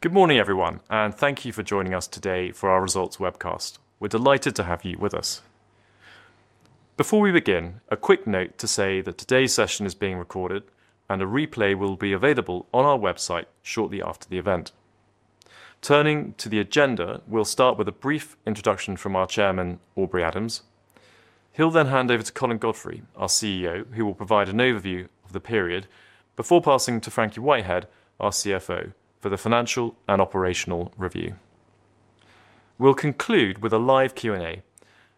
Good morning, everyone. Thank you for joining us today for our results webcast. We're delighted to have you with us. Before we begin, a quick note to say that today's session is being recorded, and a replay will be available on our website shortly after the event. Turning to the agenda, we'll start with a brief introduction from our Chairman, Aubrey Adams. He'll then hand over to Colin Godfrey, our CEO, who will provide an overview of the period before passing to Frankie Whitehead, our CFO, for the financial and operational review. We'll conclude with a live Q&A,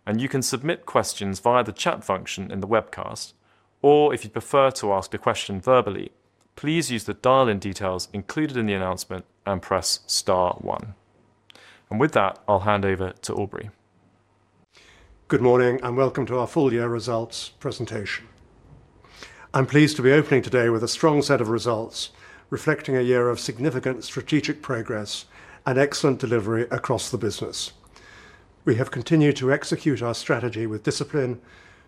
and you can submit questions via the chat function in the webcast. If you'd prefer to ask a question verbally, please use the dial-in details included in the announcement and press star one. With that, I'll hand over to Aubrey. Good morning, and welcome to our full year results presentation. I'm pleased to be opening today with a strong set of results, reflecting a year of significant strategic progress and excellent delivery across the business. We have continued to execute our strategy with discipline,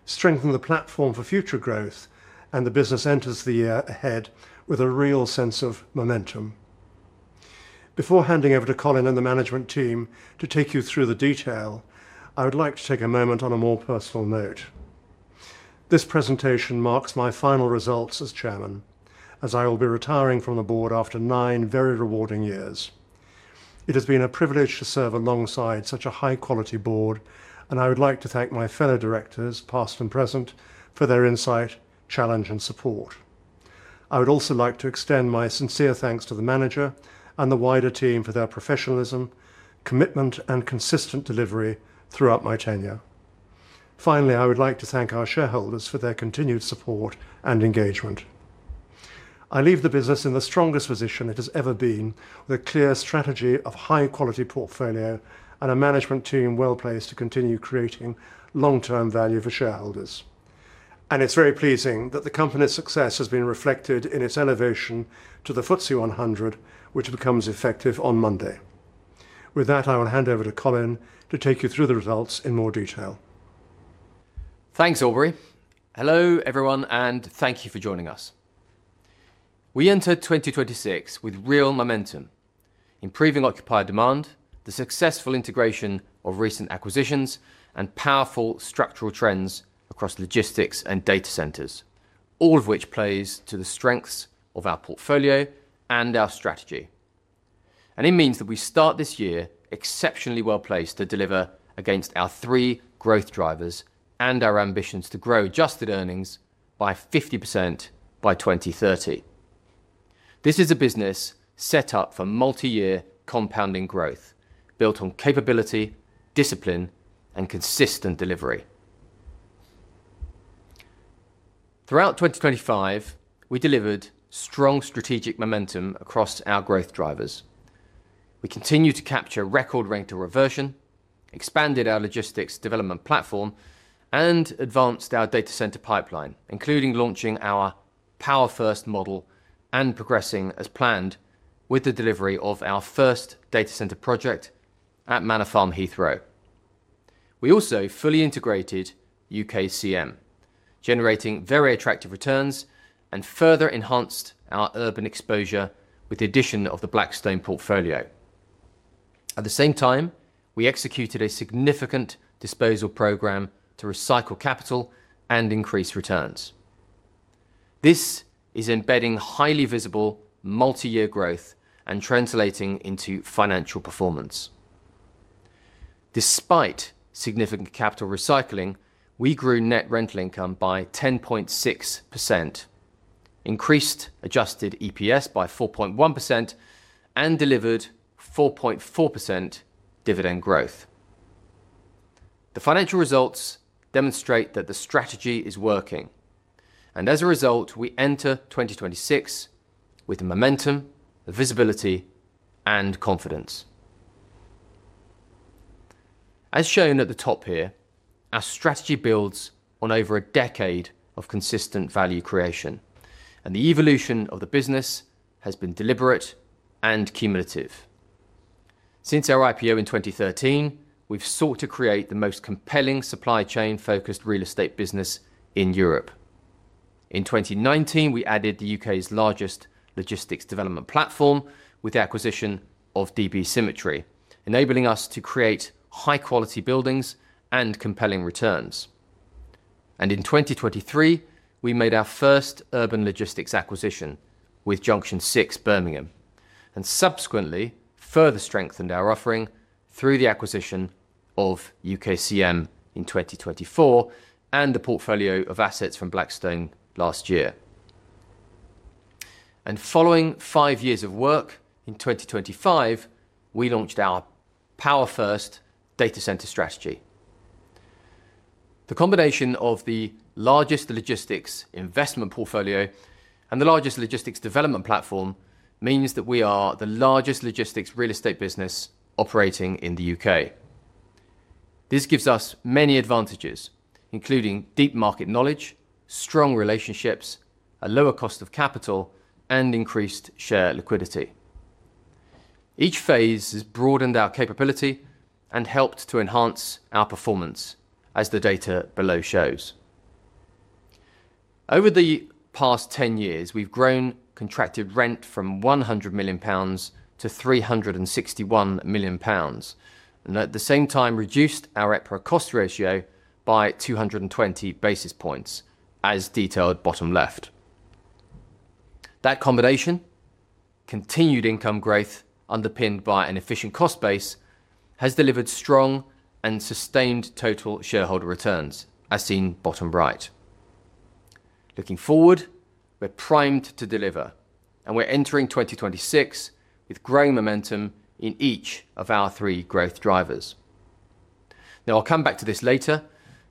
strengthen the platform for future growth, and the business enters the year ahead with a real sense of momentum. Before handing over to Colin and the management team to take you through the detail, I would like to take a moment on a more personal note. This presentation marks my final results as chairman, as I will be retiring from the board after nine very rewarding years. It has been a privilege to serve alongside such a high-quality board, and I would like to thank my fellow directors, past and present, for their insight, challenge, and support. I would also like to extend my sincere thanks to the manager and the wider team for their professionalism, commitment, and consistent delivery throughout my tenure. Finally, I would like to thank our shareholders for their continued support and engagement. I leave the business in the strongest position it has ever been, with a clear strategy of high-quality portfolio and a management team well-placed to continue creating long-term value for shareholders. It's very pleasing that the company's success has been reflected in its elevation to the FTSE 100, which becomes effective on Monday. With that, I will hand over to Colin to take you through the results in more detail. Thanks, Aubrey. Hello, everyone, thank you for joining us. We enter 2026 with real momentum, improving occupied demand, the successful integration of recent acquisitions, and powerful structural trends across logistics and data centers, all of which plays to the strengths of our portfolio and our strategy. It means that we start this year exceptionally well-placed to deliver against our three growth drivers and our ambitions to grow adjusted earnings by 50% by 2030. This is a business set up for multi-year compounding growth, built on capability, discipline, and consistent delivery. Throughout 2025, we delivered strong strategic momentum across our growth drivers. We continued to capture record rental reversion, expanded our logistics development platform, and advanced our data center pipeline, including launching our power-first model and progressing as planned with the delivery of our first data center project at Manor Farm, Heathrow. We also fully integrated UKCM, generating very attractive returns and further enhanced our urban exposure with the addition of the Blackstone portfolio. At the same time, we executed a significant disposal program to recycle capital and increase returns. This is embedding highly visible multi-year growth and translating into financial performance. Despite significant capital recycling, we grew net rental income by 10.6%, increased adjusted EPS by 4.1%, and delivered 4.4% dividend growth. The financial results demonstrate that the strategy is working, and as a result, we enter 2026 with the momentum, the visibility, and confidence. As shown at the top here, our strategy builds on over a decade of consistent value creation, and the evolution of the business has been deliberate and cumulative. Since our IPO in 2013, we've sought to create the most compelling supply chain-focused real estate business in Europe. In 2019, we added the U.K.'s largest logistics development platform with the acquisition of db Symmetry, enabling us to create high-quality buildings and compelling returns. In 2023, we made our first urban logistics acquisition with Junction Six, Birmingham, and subsequently further strengthened our offering through the acquisition of UKCM in 2024 and the portfolio of assets from Blackstone last year. Following five years of work, in 2025, we launched our power-first data center strategy. The combination of the largest logistics investment portfolio and the largest logistics development platform means that we are the largest logistics real estate business operating in the U.K. This gives us many advantages, including deep market knowledge, strong relationships, a lower cost of capital, and increased share liquidity. Each phase has broadened our capability and helped to enhance our performance, as the data below shows. Over the past 10 years, we've grown contracted rent from 100 million pounds to 361 million pounds, and at the same time reduced our EPRA cost ratio by 220 basis points, as detailed bottom left. That combination, continued income growth, underpinned by an efficient cost base, has delivered strong and sustained total shareholder returns, as seen bottom right. Looking forward, we're primed to deliver, and we're entering 2026 with growing momentum in each of our three growth drivers. I'll come back to this later,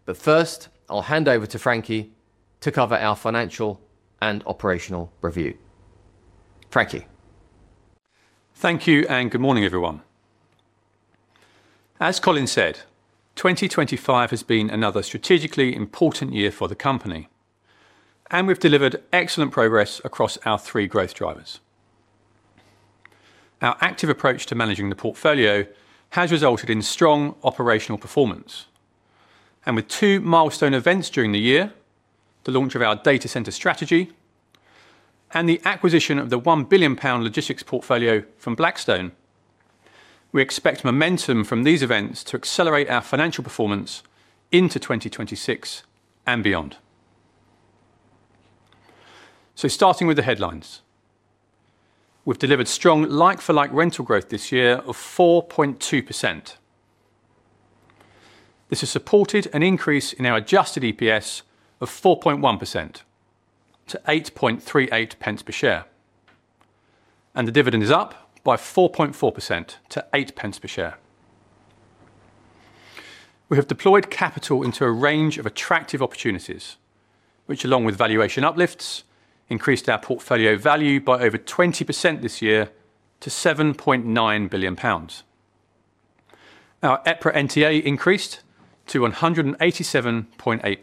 but first, I'll hand over to Frankie to cover our financial and operational review. Frankie. Thank you. Good morning, everyone. As Colin said, 2025 has been another strategically important year for the company, and we've delivered excellent progress across our three growth drivers. Our active approach to managing the portfolio has resulted in strong operational performance. With two milestone events during the year, the launch of our data center strategy and the acquisition of the 1 billion pound logistics portfolio from Blackstone, we expect momentum from these events to accelerate our financial performance into 2026 and beyond. Starting with the headlines, we've delivered strong like-for-like rental growth this year of 4.2%. This has supported an increase in our adjusted EPS of 4.1% to 0.0838 per share, and the dividend is up by 4.4% to 0.08 per share. We have deployed capital into a range of attractive opportunities, which, along with valuation uplifts, increased our portfolio value by over 20% this year to 7.9 billion pounds. Our EPRA NTA increased to 1.878,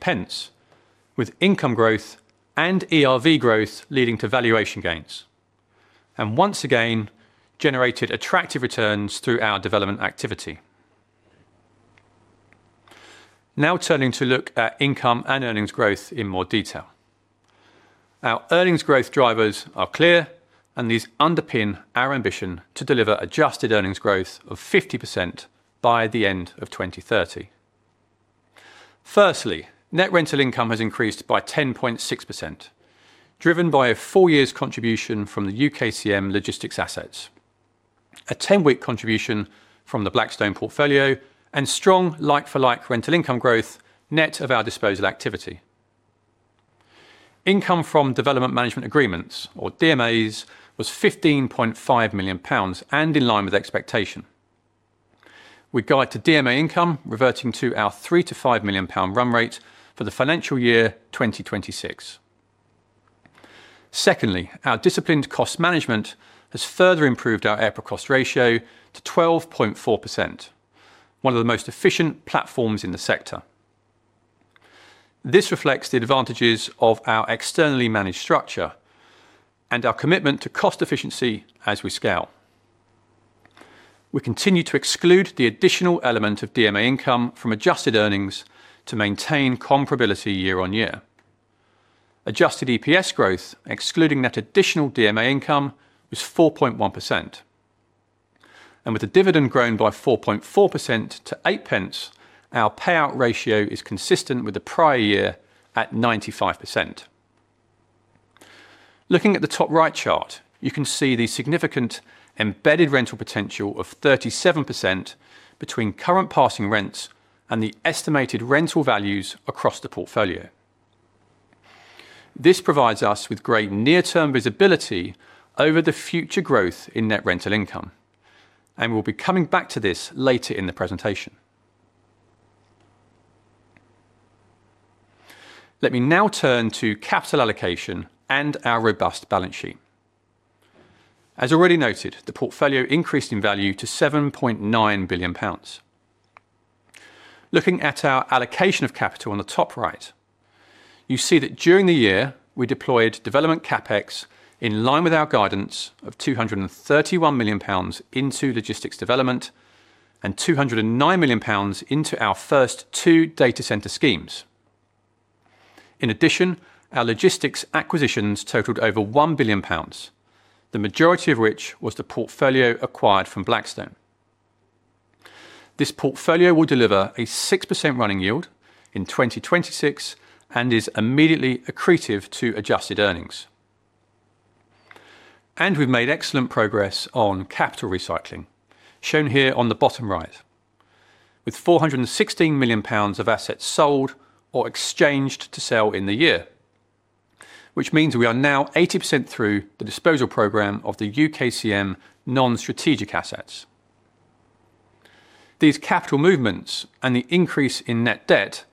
with income growth and ERV growth leading to valuation gains, and once again, generated attractive returns through our development activity. Turning to look at income and earnings growth in more detail. Our earnings growth drivers are clear, and these underpin our ambition to deliver adjusted earnings growth of 50% by the end of 2030. Firstly, net rental income has increased by 10.6%, driven by a full year's contribution from the UKCM logistics assets, a 10-week contribution from the Blackstone portfolio, and strong like-for-like rental income growth net of our disposal activity. Income from Development Management Agreements, or DMAs, was 15.5 million pounds and in line with expectation. We guide to DMA income reverting to our 3 million-5 million pound run rate for the financial year 2026. Secondly, our disciplined cost management has further improved our EPRA cost ratio to 12.4%, one of the most efficient platforms in the sector. This reflects the advantages of our externally managed structure and our commitment to cost efficiency as we scale. We continue to exclude the additional element of DMA income from adjusted earnings to maintain comparability year-on-year. Adjusted EPS growth, excluding that additional DMA income, was 4.1%. With the dividend growing by 4.4% to 0.08, our payout ratio is consistent with the prior year at 95%. Looking at the top right chart, you can see the significant embedded rental potential of 37% between current passing rents and the Estimated Rental Values across the portfolio. This provides us with great near-term visibility over the future growth in net rental income, we'll be coming back to this later in the presentation. Let me now turn to capital allocation and our robust balance sheet. As already noted, the portfolio increased in value to 7.9 billion pounds. Looking at our allocation of capital on the top right, you see that during the year, we deployed development CapEx in line with our guidance of 231 million pounds into logistics development and 209 million pounds into our first two data center schemes. In addition, our logistics acquisitions totaled over 1 billion pounds, the majority of which was the portfolio acquired from Blackstone. This portfolio will deliver a 6% running yield in 2026 and is immediately accretive to adjusted earnings. We've made excellent progress on capital recycling, shown here on the bottom right, with 416 million pounds of assets sold or exchanged to sell in the year, which means we are now 80% through the disposal program of the UKCM non-strategic assets. These capital movements and the increase in net debt,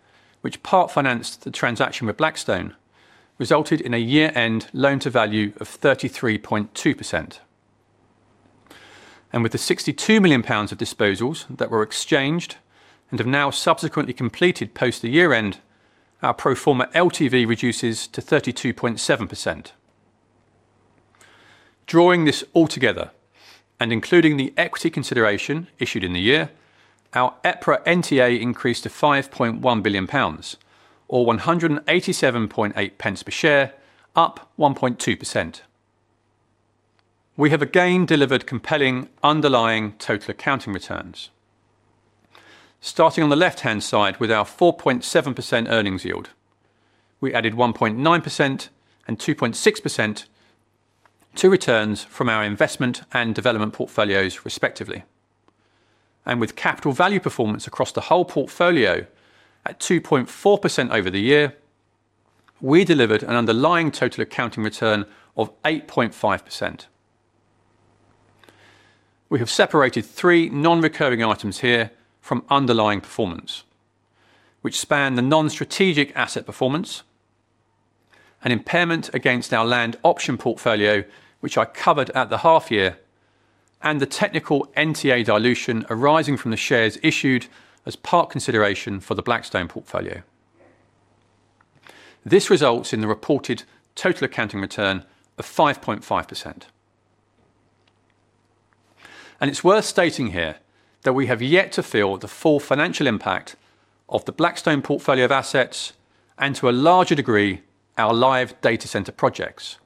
which part-financed the transaction with Blackstone, resulted in a year-end loan-to-value of 33.2%. With the 62 million pounds of disposals that were exchanged and have now subsequently completed post the year-end, our pro forma LTV reduces to 32.7%. Drawing this all together, including the equity consideration issued in the year, our EPRA NTA increased to 5.1 billion pounds, or 1.878 pounds per share, up 1.2%. We have again delivered compelling underlying total accounting returns. Starting on the left-hand side with our 4.7% earnings yield, we added 1.9% and 2.6% to returns from our investment and development portfolios, respectively. With capital value performance across the whole portfolio at 2.4% over the year, we delivered an underlying total accounting return of 8.5%. We have separated three non-recurring items here from underlying performance, which span the non-strategic asset performance, an impairment against our land option portfolio, which I covered at the half year, and the technical NTA dilution arising from the shares issued as part consideration for the Blackstone portfolio. This results in the reported total accounting return of 5.5%. It's worth stating here that we have yet to feel the full financial impact of the Blackstone portfolio of assets and, to a larger degree, our live data center projects,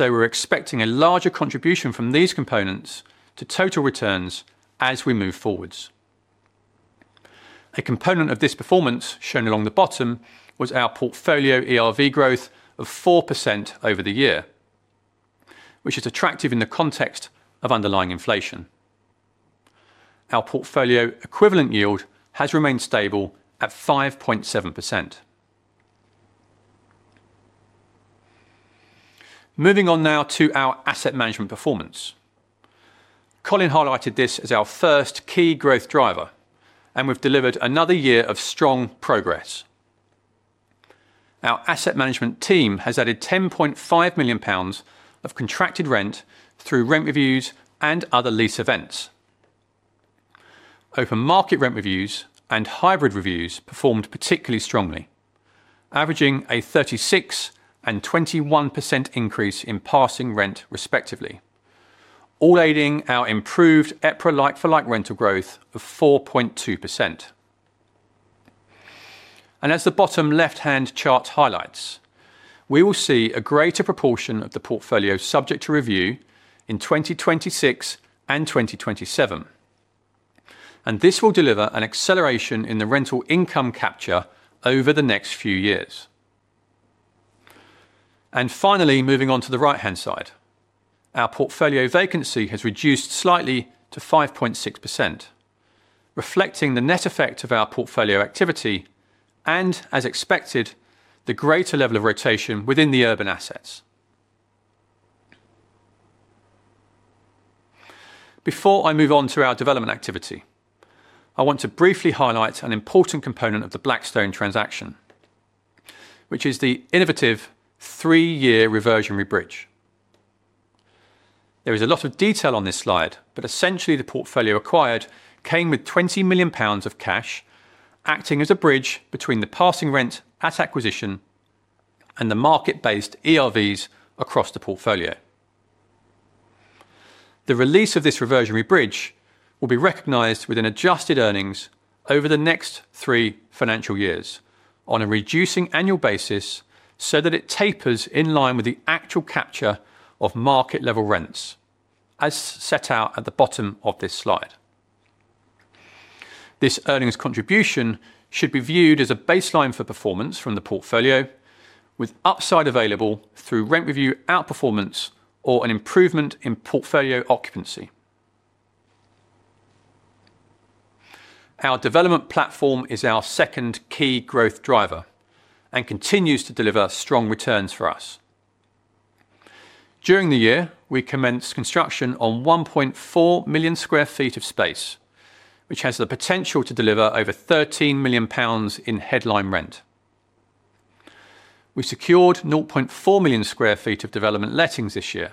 we're expecting a larger contribution from these components to total returns as we move forwards. A component of this performance, shown along the bottom, was our portfolio ERV growth of 4% over the year, which is attractive in the context of underlying inflation. Our portfolio equivalent yield has remained stable at 5.7%. Moving on now to our asset management performance. Colin highlighted this as our first key growth driver, we've delivered another year of strong progress. Our asset management team has added 10.5 million pounds of contracted rent through rent reviews and other lease events. Open market rent reviews and hybrid reviews performed particularly strongly, averaging a 36% and 21% increase in passing rent, respectively, all aiding our improved EPRA, like-for-like rental growth of 4.2%. As the bottom left-hand chart highlights, we will see a greater proportion of the portfolio subject to review in 2026 and 2027, and this will deliver an acceleration in the rental income capture over the next few years. Finally, moving on to the right-hand side. Our portfolio vacancy has reduced slightly to 5.6%, reflecting the net effect of our portfolio activity and, as expected, the greater level of rotation within the urban assets. Before I move on to our development activity, I want to briefly highlight an important component of the Blackstone transaction, which is the innovative three-year reversionary bridge. Essentially, the portfolio acquired came with 20 million pounds of cash, acting as a bridge between the passing rent at acquisition and the market-based ERVs across the portfolio. The release of this reversionary bridge will be recognized within adjusted earnings over the next three financial years on a reducing annual basis. It tapers in line with the actual capture of market-level rents, as set out at the bottom of this slide. This earnings contribution should be viewed as a baseline for performance from the portfolio, with upside available through rent review outperformance or an improvement in portfolio occupancy. Our development platform is our second key growth driver and continues to deliver strong returns for us. During the year, we commenced construction on 1.4 million sq ft of space, which has the potential to deliver over 13 million pounds in headline rent. We secured 0.4 million sq ft of development lettings this year,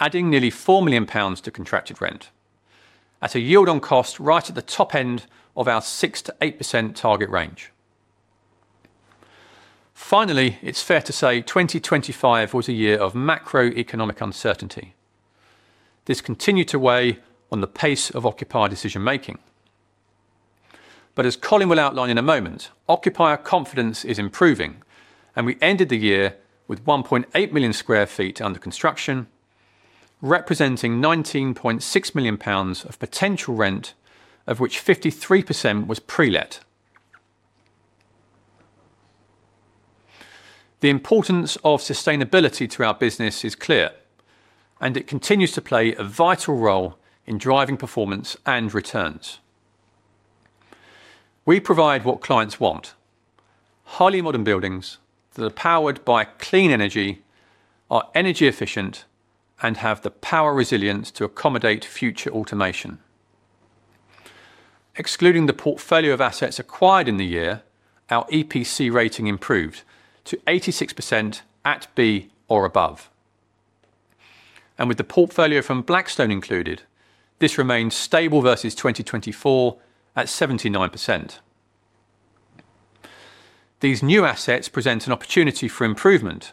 adding nearly 4 million pounds to contracted rent at a yield on cost right at the top end of our 6%-8% target range. It's fair to say 2025 was a year of macroeconomic uncertainty. This continued to weigh on the pace of occupier decision-making. As Colin will outline in a moment, occupier confidence is improving, and we ended the year with 1.8 million sq ft under construction, representing 19.6 million pounds of potential rent, of which 53% was pre-let. The importance of sustainability to our business is clear, and it continues to play a vital role in driving performance and returns. We provide what clients want: highly modern buildings that are powered by clean energy, are energy efficient, and have the power resilience to accommodate future automation. Excluding the portfolio of assets acquired in the year, our EPC rating improved to 86% at B or above. With the portfolio from Blackstone included, this remains stable versus 2024 at 79%. These new assets present an opportunity for improvement,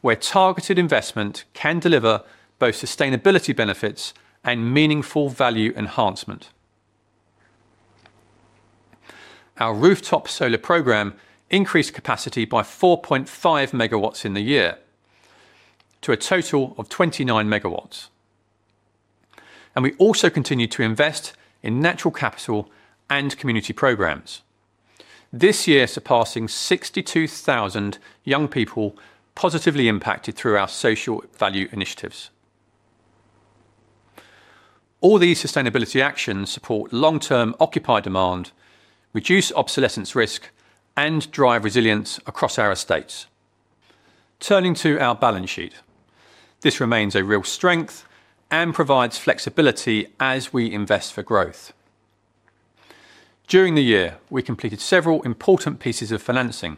where targeted investment can deliver both sustainability benefits and meaningful value enhancement. Our rooftop solar program increased capacity by 4.5 MW in the year, to a total of 29 MW. We also continued to invest in natural capital and community programs, this year surpassing 62,000 young people positively impacted through our social value initiatives. All these sustainability actions support long-term occupier demand, reduce obsolescence risk, and drive resilience across our estates. Turning to our balance sheet, this remains a real strength and provides flexibility as we invest for growth. During the year, we completed several important pieces of financing.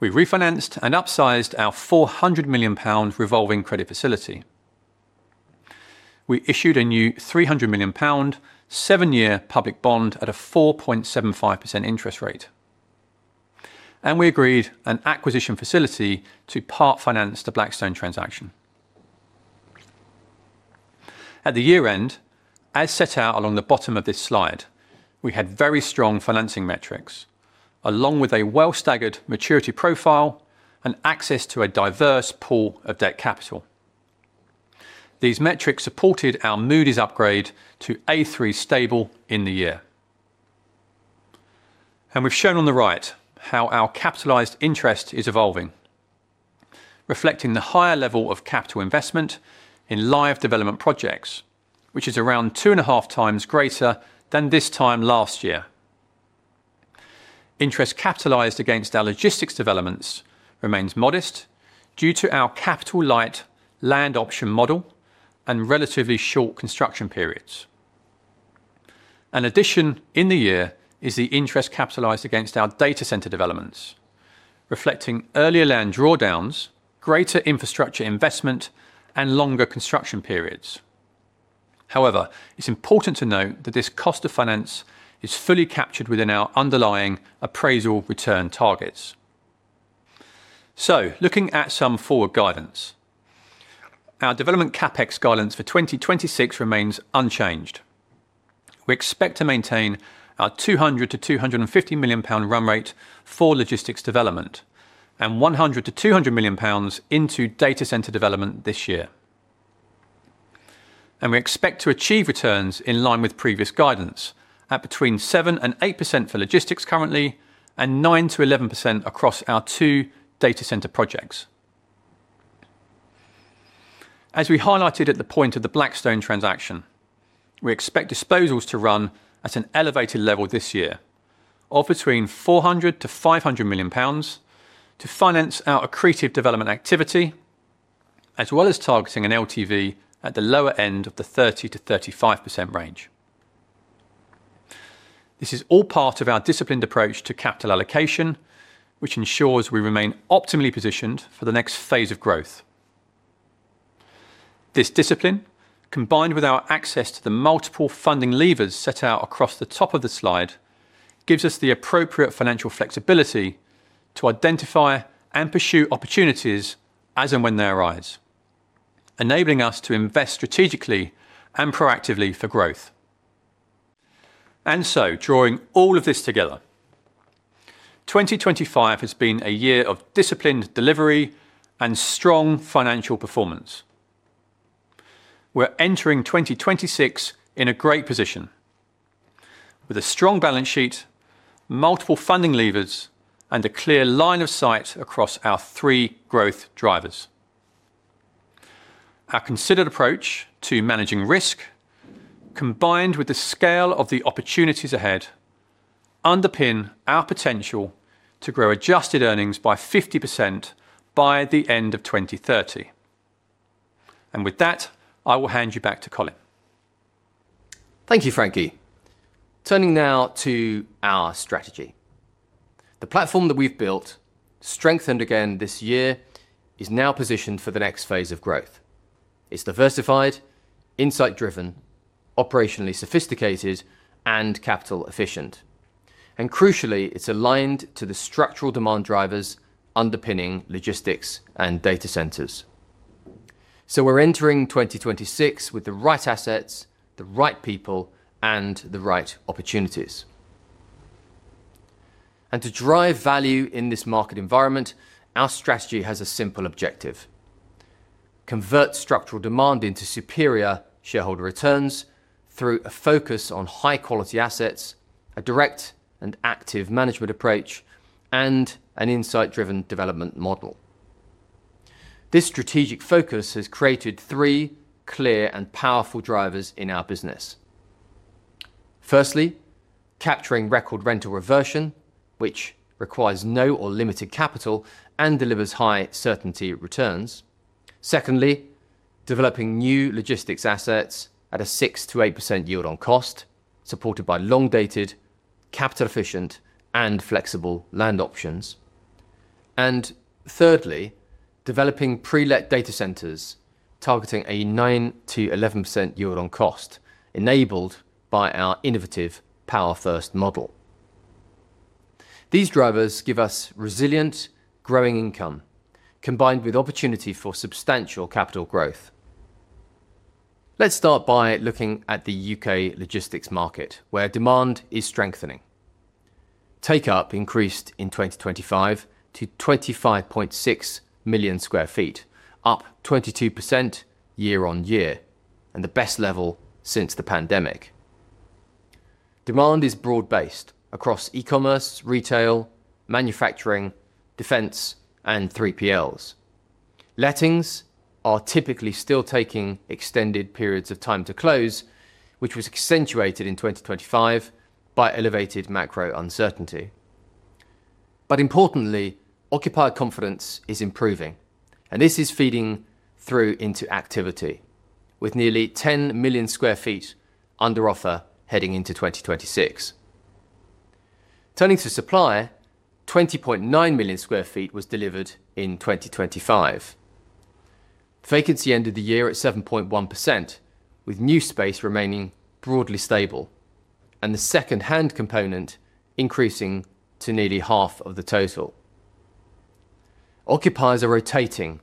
We refinanced and upsized our 400 million pounds revolving credit facility. We issued a new 300 million pound, seven-year public bond at a 4.75% interest rate, and we agreed an acquisition facility to part-finance the Blackstone transaction. At the year-end, as set out along the bottom of this slide, we had very strong financing metrics, along with a well-staggered maturity profile and access to a diverse pool of debt capital. These metrics supported our Moody's upgrade to A3 stable in the year. We've shown on the right how our capitalized interest is evolving, reflecting the higher level of capital investment in live development projects, which is around 2.5x greater than this time last year. Interest capitalized against our logistics developments remains modest due to our capital-light land option model and relatively short construction periods. An addition in the year is the interest capitalized against our data center developments, reflecting earlier land drawdowns, greater infrastructure investment, and longer construction periods. It's important to note that this cost of finance is fully captured within our underlying appraisal return targets. Looking at some forward guidance. Our development CapEx guidance for 2026 remains unchanged. We expect to maintain our 200 million-250 million pound run rate for logistics development, and 100 million-200 million pounds into data center development this year. We expect to achieve returns in line with previous guidance at between 7%-8% for logistics currently, and 9%-11% across our two data center projects. As we highlighted at the point of the Blackstone transaction, we expect disposals to run at an elevated level this year of between 400 million-500 million pounds to finance our accretive development activity, as well as targeting an LTV at the lower end of the 30%-35% range. This is all part of our disciplined approach to capital allocation, which ensures we remain optimally positioned for the next phase of growth. This discipline, combined with our access to the multiple funding levers set out across the top of the slide, gives us the appropriate financial flexibility to identify and pursue opportunities as and when they arise, enabling us to invest strategically and proactively for growth. Drawing all of this together, 2025 has been a year of disciplined delivery and strong financial performance. We're entering 2026 in a great position with a strong balance sheet, multiple funding levers, and a clear line of sight across our three growth drivers. Our considered approach to managing risk, combined with the scale of the opportunities ahead, underpin our potential to grow adjusted earnings by 50% by the end of 2030. With that, I will hand you back to Colin. Thank you, Frankie. Turning now to our strategy. The platform that we've built, strengthened again this year, is now positioned for the next phase of growth. It's diversified, insight-driven, operationally sophisticated, and capital efficient. Crucially, it's aligned to the structural demand drivers underpinning logistics and data centers. We're entering 2026 with the right assets, the right people, and the right opportunities. To drive value in this market environment, our strategy has a simple objective: convert structural demand into superior shareholder returns through a focus on high-quality assets, a direct and active management approach, and an insight-driven development model. This strategic focus has created three clear and powerful drivers in our business. Firstly, capturing record rental reversion, which requires no or limited capital and delivers high certainty returns. Secondly, developing new logistics assets at a 6%-8% yield on cost, supported by long-dated, capital-efficient, and flexible land options. Thirdly, developing pre-let data centers, targeting a 9%-11% yield on cost, enabled by our innovative power-first model. These drivers give us resilient, growing income, combined with opportunity for substantial capital growth. Let's start by looking at the U.K. logistics market, where demand is strengthening. Take-up increased in 2025 to 25.6 million sq ft, up 22% year-on-year, and the best level since the pandemic. Demand is broad-based across e-commerce, retail, manufacturing, defense, and 3PLs. Lettings are typically still taking extended periods of time to close, which was accentuated in 2025 by elevated macro uncertainty. Importantly, occupier confidence is improving, and this is feeding through into activity, with nearly 10 million sq ft under offer heading into 2026. Turning to supply, 20.9 million sq ft was delivered in 2025. Vacancy ended the year at 7.1%, with new space remaining broadly stable, and the second-hand component increasing to nearly half of the total. Occupiers are rotating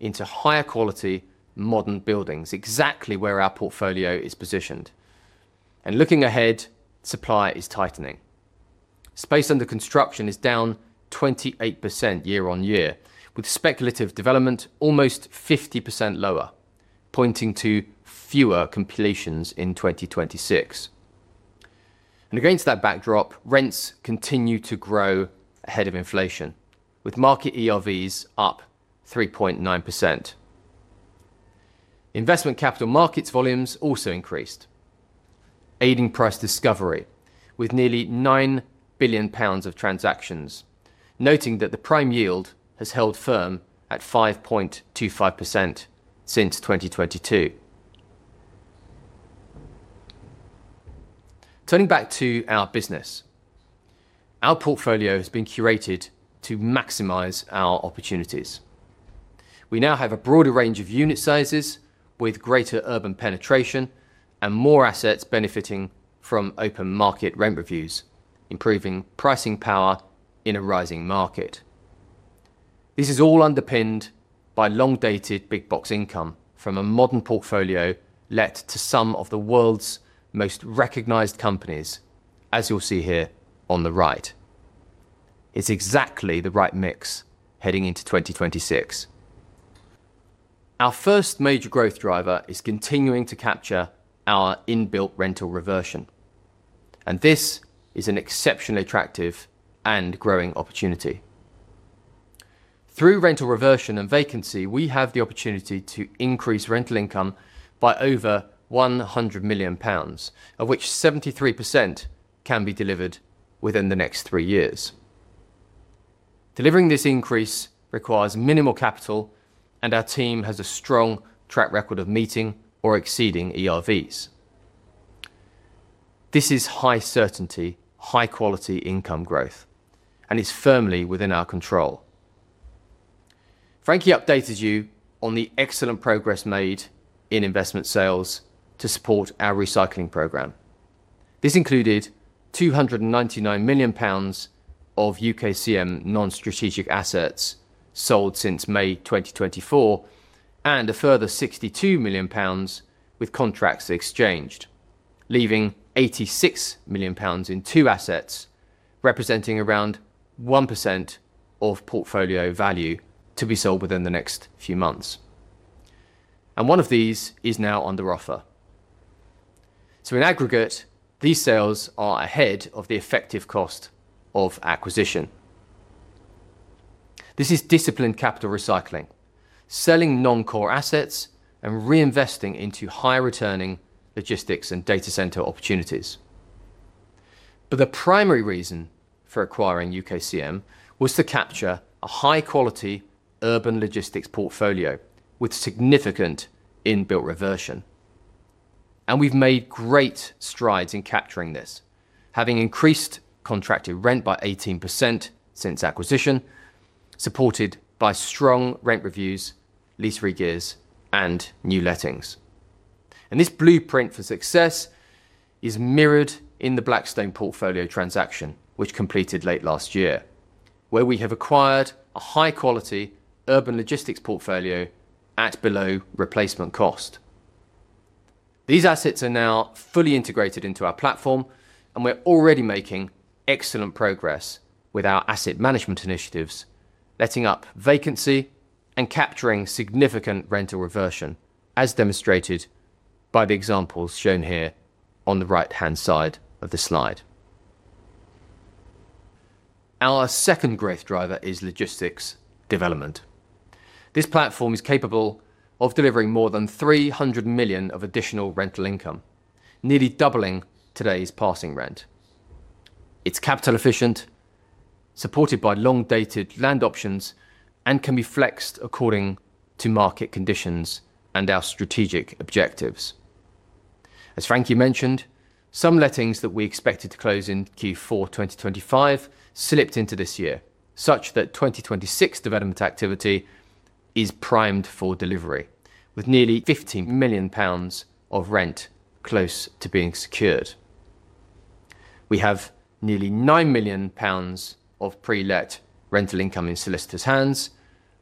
into higher quality, modern buildings, exactly where our portfolio is positioned. Looking ahead, supply is tightening. Space under construction is down 28% year-on-year, with speculative development almost 50% lower, pointing to fewer completions in 2026. Against that backdrop, rents continue to grow ahead of inflation, with market ERVs up 3.9%. Investment capital markets volumes also increased, aiding price discovery with nearly 9 billion pounds of transactions, noting that the prime yield has held firm at 5.25% since 2022. Turning back to our business, our portfolio has been curated to maximize our opportunities. We now have a broader range of unit sizes with greater urban penetration and more assets benefiting from open market rent reviews, improving pricing power in a rising market. This is all underpinned by long-dated Big Box income from a modern portfolio let to some of the world's most recognized companies, as you'll see here on the right. It's exactly the right mix heading into 2026. Our first major growth driver is continuing to capture our in-built rental reversion. This is an exceptionally attractive and growing opportunity. Through rental reversion and vacancy, we have the opportunity to increase rental income by over 100 million pounds, of which 73% can be delivered within the next three years. Delivering this increase requires minimal capital. Our team has a strong track record of meeting or exceeding ERVs. This is high certainty, high-quality income growth, and is firmly within our control. Frankie updated you on the excellent progress made in investment sales to support our recycling program. This included 299 million pounds of UKCM non-strategic assets sold since May 2024, and a further 62 million pounds with contracts exchanged, leaving 86 million pounds in two assets, representing around 1% of portfolio value to be sold within the next few months. One of these is now under offer. In aggregate, these sales are ahead of the effective cost of acquisition. This is disciplined capital recycling, selling non-core assets and reinvesting into high-returning logistics and data center opportunities. The primary reason for acquiring UKCM was to capture a high-quality urban logistics portfolio with significant in-built reversion. We've made great strides in capturing this, having increased contracted rent by 18% since acquisition, supported by strong rent reviews, lease re-gears, and new lettings. This blueprint for success is mirrored in the Blackstone portfolio transaction, which completed late last year, where we have acquired a high-quality urban logistics portfolio at below replacement cost. These assets are now fully integrated into our platform, and we're already making excellent progress with our asset management initiatives, letting up vacancy and capturing significant rental reversion, as demonstrated by the examples shown here on the right-hand side of the slide. Our second growth driver is logistics development. This platform is capable of delivering more than 300 million of additional rental income, nearly doubling today's passing rent. It's capital efficient, supported by long-dated land options, and can be flexed according to market conditions and our strategic objectives. As Frankie mentioned, some lettings that we expected to close in Q4 2025 slipped into this year, such that 2026 development activity is primed for delivery, with nearly 50 million pounds of rent close to being secured. We have nearly 9 million pounds of pre-let rental income in solicitor's hands,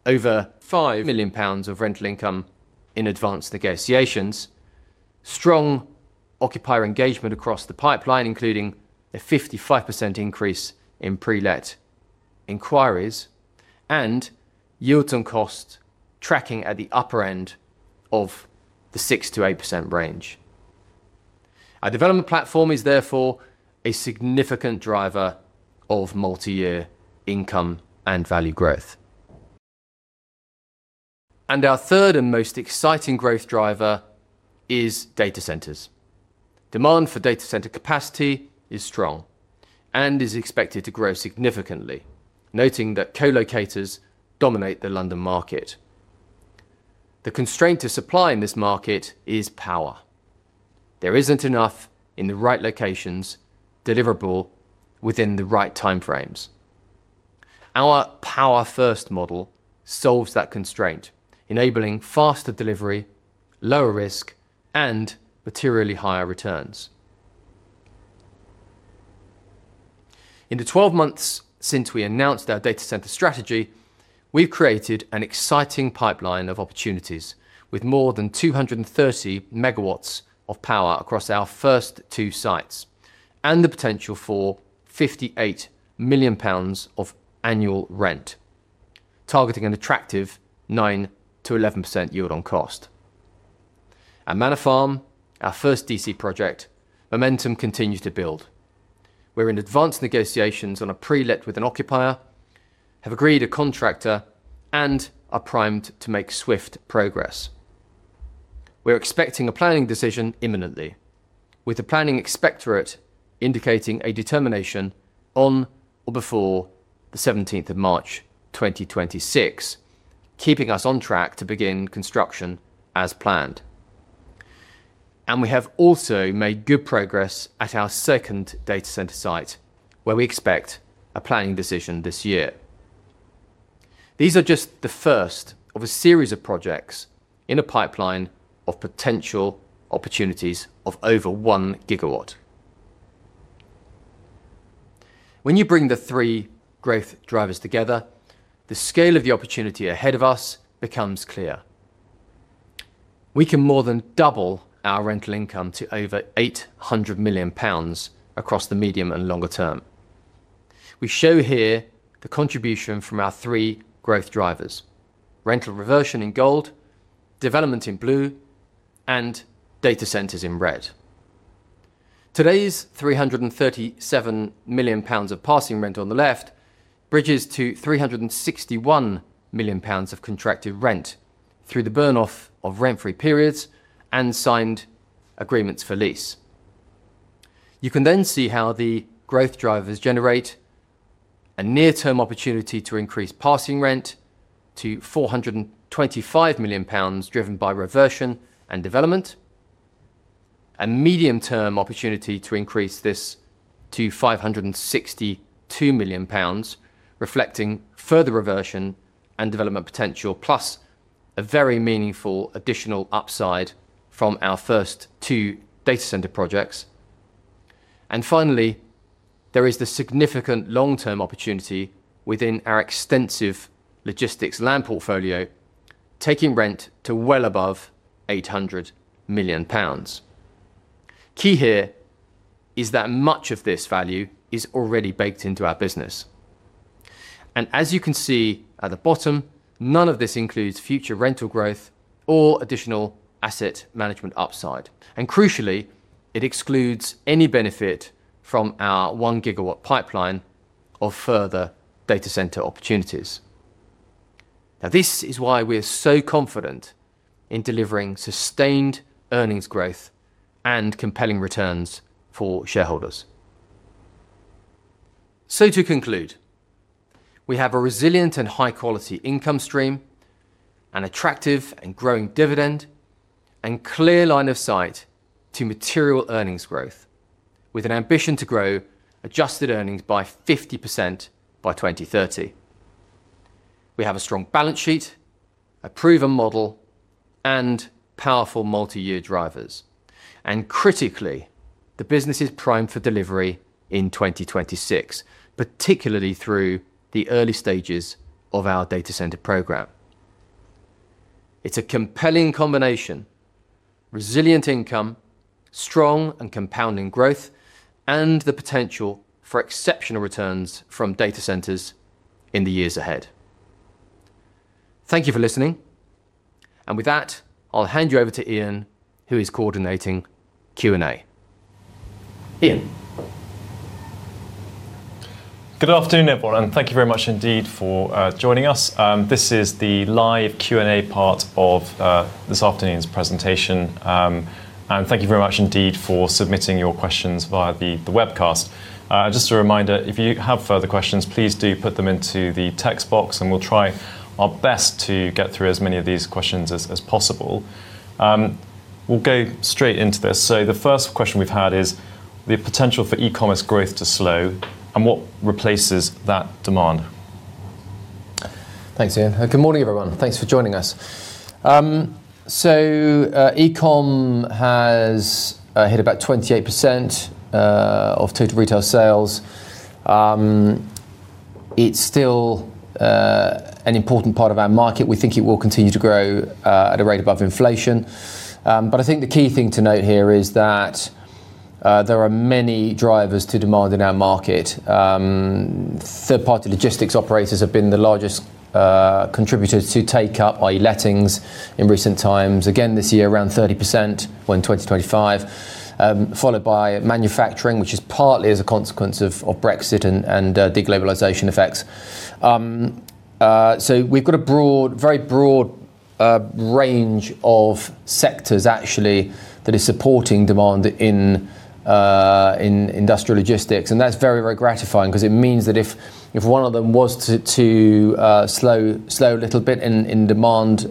over 5 million pounds of rental income in advanced negotiations, strong occupier engagement across the pipeline, including a 55% increase in pre-let inquiries, and yield on cost tracking at the upper end of the 6%-8% range. Our third and most exciting growth driver is data centers. Demand for data center capacity is strong and is expected to grow significantly, noting that co-locators dominate the London market. The constraint to supply in this market is power. There isn't enough in the right locations deliverable within the right time frames. Our power-first model solves that constraint, enabling faster delivery, lower risk, and materially higher returns. In the 12 months since we announced our data center strategy, we've created an exciting pipeline of opportunities, with more than 230 MW of power across our first two sites, and the potential for 58 million pounds of annual rent, targeting an attractive 9%-11% yield on cost. At Manor Farm, our first DC project, momentum continues to build. We're in advanced negotiations on a pre-let with an occupier, have agreed a contractor, and are primed to make swift progress. We're expecting a planning decision imminently, with the Planning Inspectorate indicating a determination on or before the 17th of March 2026, keeping us on track to begin construction as planned. We have also made good progress at our second data center site, where we expect a planning decision this year. These are just the first of a series of projects in a pipeline of potential opportunities of over 1 GW. When you bring the three growth drivers together, the scale of the opportunity ahead of us becomes clear. We can more than double our rental income to over 800 million pounds across the medium and longer term. We show here the contribution from our three growth drivers: rental reversion in gold, development in blue, and data centers in red. Today's 337 million pounds of passing rent on the left, bridges to 361 million pounds of contracted rent through the burn-off of rent-free periods and signed agreements for lease. You can see how the growth drivers generate a near-term opportunity to increase passing rent to 425 million pounds, driven by reversion and development. A medium-term opportunity to increase this to 562 million pounds, reflecting further reversion and development potential, plus a very meaningful additional upside from our first two data center projects. Finally, there is the significant long-term opportunity within our extensive logistics land portfolio, taking rent to well above 800 million pounds. Key here is that much of this value is already baked into our business. As you can see at the bottom, none of this includes future rental growth or additional asset management upside, and crucially, it excludes any benefit from our 1 GW pipeline of further data center opportunities. This is why we're so confident in delivering sustained earnings growth and compelling returns for shareholders. To conclude, we have a resilient and high-quality income stream, an attractive and growing dividend, and clear line of sight to material earnings growth, with an ambition to grow adjusted earnings by 50% by 2030. We have a strong balance sheet, a proven model, and powerful multi-year drivers. Critically, the business is primed for delivery in 2026, particularly through the early stages of our data center program. It's a compelling combination, resilient income, strong and compounding growth, and the potential for exceptional returns from data centers in the years ahead. Thank you for listening, and with that, I'll hand you over to Ian, who is coordinating Q&A. Ian? Good afternoon, everyone, and thank you very much indeed for joining us. This is the live Q&A part of this afternoon's presentation. Thank you very much indeed for submitting your questions via the webcast. Just a reminder, if you have further questions, please do put them into the text box, and we'll try our best to get through as many of these questions as possible. We'll go straight into this. The first question we've had is: the potential for e-commerce growth to slow, and what replaces that demand? Thanks, Ian. Good morning, everyone. Thanks for joining us. e-com has hit about 28% of total retail sales. It's still an important part of our market. We think it will continue to grow at a rate above inflation. I think the key thing to note here is that there are many drivers to demand in our market. third-party logistics operators have been the largest contributors to take up lettings in recent times. Again, this year, around 30%, well, in 2025, followed by manufacturing, which is partly as a consequence of Brexit and de-globalization effects. We've got a broad, very broad range of sectors actually, that is supporting demand in industrial logistics. That's very, very gratifying 'cause it means that if one of them was to slow a little bit in demand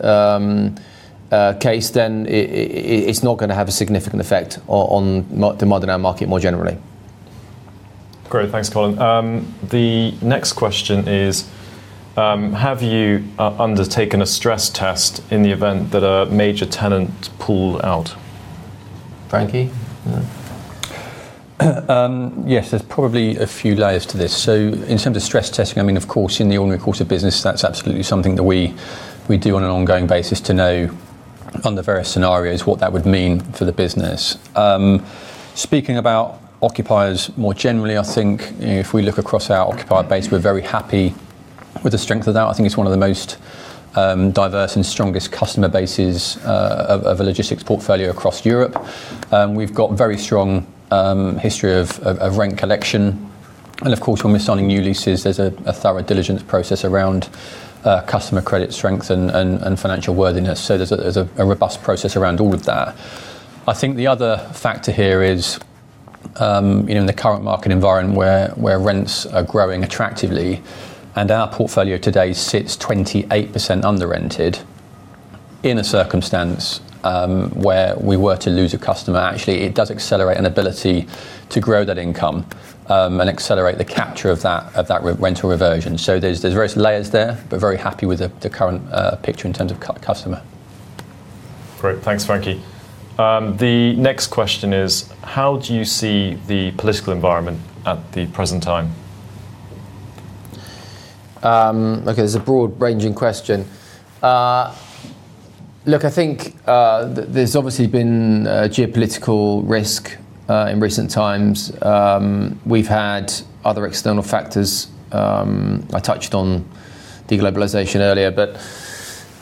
case, then it's not gonna have a significant effect on the modern day market more generally. Great. Thanks, Colin. The next question is: Have you undertaken a stress test in the event that a major tenant pulled out? Frankie? Yes, there's probably a few layers to this. In terms of stress testing, I mean, of course, in the ordinary course of business, that's absolutely something that we do on an ongoing basis to know, under various scenarios, what that would mean for the business. Speaking about occupiers more generally, I think if we look across our occupied base, we're very happy with the strength of that. I think it's one of the most diverse and strongest customer bases of a logistics portfolio across Europe. We've got very strong history of rent collection, and of course, when we're signing new leases, there's a thorough diligence process around customer credit strength and financial worthiness. There's a robust process around all of that. I think the other factor here is, in the current market environment, where rents are growing attractively, and our portfolio today sits 28% underrented, in a circumstance, where we were to lose a customer, actually, it does accelerate an ability to grow that income, and accelerate the capture of that rental reversion. There's various layers there, but very happy with the current picture in terms of customer. Great. Thanks, Frankie. The next question is: How do you see the political environment at the present time? Okay, that's a broad-ranging question. Look, I think, there's obviously been a geopolitical risk in recent times. We've had other external factors. I touched on de-globalization earlier, but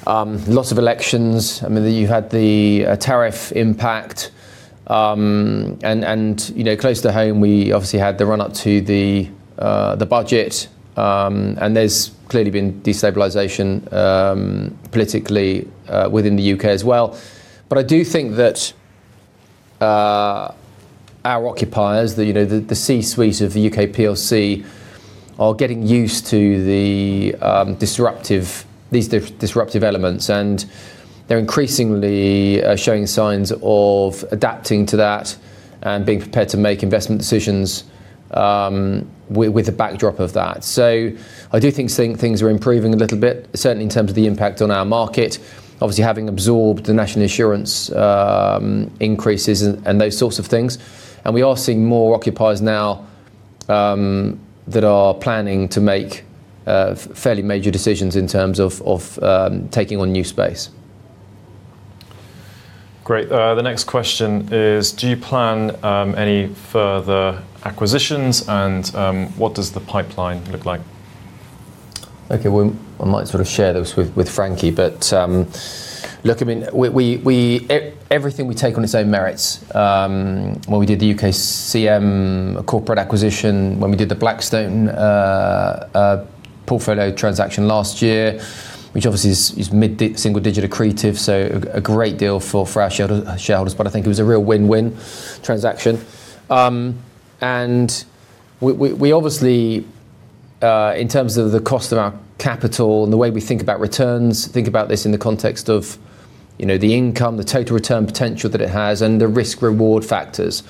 lots of elections, I mean, you had the tariff impact. You know, close to home, we obviously had the run-up to the budget, and there's clearly been destabilization, politically, within the U.K. as well. I do think that our occupiers, the, you know, the C-suite of the U.K. PLC, are getting used to the disruptive elements, and they're increasingly showing signs of adapting to that and being prepared to make investment decisions with the backdrop of that. I do think things are improving a little bit, certainly in terms of the impact on our market, obviously, having absorbed the National Insurance increases and those sorts of things. We are seeing more occupiers now that are planning to make fairly major decisions in terms of, taking on new space. Great. The next question is: Do you plan any further acquisitions, and what does the pipeline look like? Okay, well, I might sort of share this with Frankie. Look, I mean, we everything we take on its own merits. When we did the UKCM corporate acquisition, when we did the Blackstone portfolio transaction last year, which obviously is single digit accretive, so a great deal for our shareholders, I think it was a real win-win transaction. We obviously, in terms of the cost of our capital and the way we think about returns, think about this in the context of, you know, the income, the total return potential that it has and the risk/reward factors.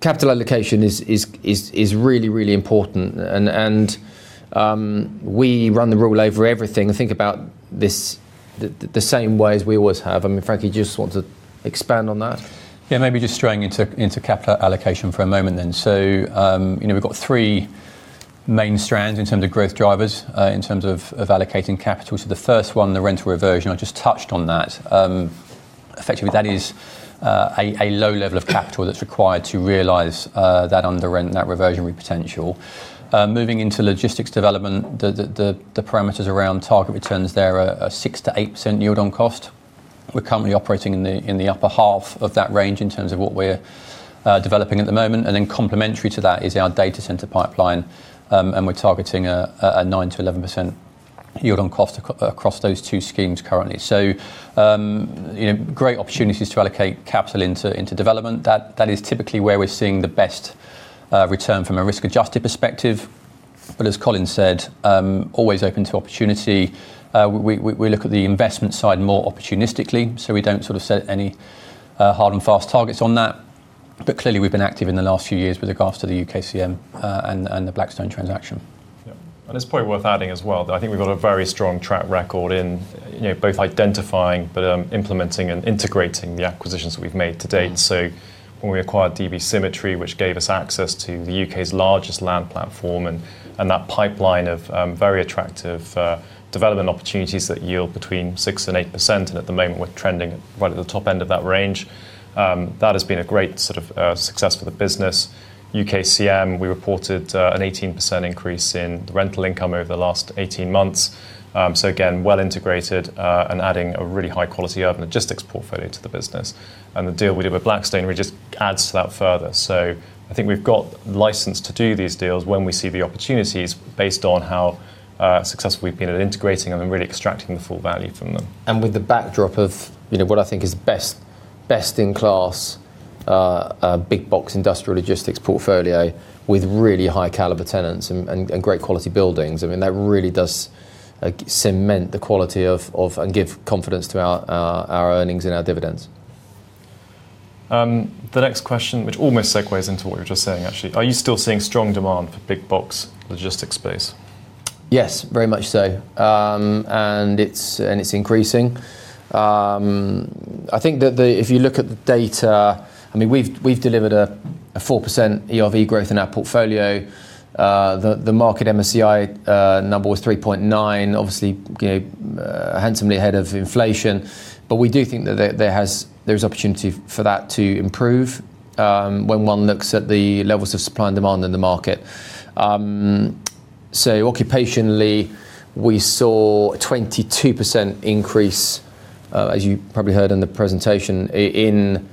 Capital allocation is really important, we run the rule over everything and think about this the same way as we always have. I mean, Frankie, do you just want to expand on that? Yeah, maybe just straying into capital allocation for a moment then. You know, we've got three main strands in terms of growth drivers in terms of allocating capital. The first one, the rental reversion, I just touched on that. Effectively, that is a low level of capital that's required to realize that under rent, that reversion potential. Moving into logistics development, the parameters around target returns there are 6%-8% yield on cost. We're currently operating in the upper half of that range in terms of what we're developing at the moment. Complementary to that is our data center pipeline, and we're targeting a 9%-11% yield on cost across those two schemes currently. You know, great opportunities to allocate capital into development. That is typically where we're seeing the best return from a risk-adjusted perspective. As Colin said, always open to opportunity. We look at the investment side more opportunistically, so we don't sort of set any hard and fast targets on that. Clearly, we've been active in the last few years with regards to the UKCM and the Blackstone transaction. Yeah. It's probably worth adding as well that I think we've got a very strong track record in, you know, both identifying, but implementing and integrating the acquisitions that we've made to date. When we acquired db Symmetry, which gave us access to the U.K.'s largest land platform, and that pipeline of very attractive development opportunities that yield between 6% and 8%, and at the moment, we're trending right at the top end of that range, that has been a great sort of success for the business. UKCM, we reported an 18% increase in the rental income over the last 18 months. Again, well-integrated, and adding a really high-quality urban logistics portfolio to the business. The deal we did with Blackstone, we just adds to that further. I think we've got license to do these deals when we see the opportunities based on how successful we've been at integrating them and really extracting the full value from them. With the backdrop of, you know, what I think is best-in-class, a Big Box industrial logistics portfolio with really high caliber tenants and great quality buildings, I mean, that really does cement the quality of and give confidence to our earnings and our dividends. The next question, which almost segues into what you were just saying, actually: Are you still seeing strong demand for Big Box logistics space? Yes, very much so. It's increasing. I think that the-- If you look at the data, I mean, we've delivered a 4% ERV growth in our portfolio. The market MSCI number was 3.9%, obviously, you know, handsomely ahead of inflation. We do think that there's opportunity for that to improve when one looks at the levels of supply and demand in the market. Occupationally, we saw a 22% increase, as you probably heard in the presentation, in